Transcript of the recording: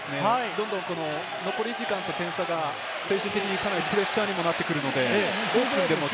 どんどん残り時間と点差が、選手的にプレッシャーにもなってくるので。